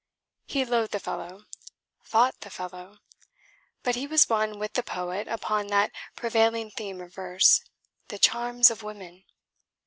He loathed the fellow, fought the fellow. But he was one with the poet upon that prevailing theme of verse, the charms of women.